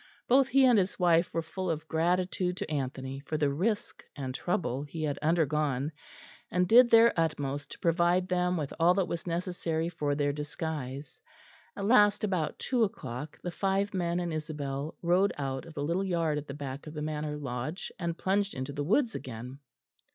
Both he and his wife were full of gratitude to Anthony for the risk and trouble he had undergone, and did their utmost to provide them with all that was necessary for their disguise. At last, about two o'clock, the five men and Isabel rode out of the little yard at the back of the Manor Lodge and plunged into the woods again.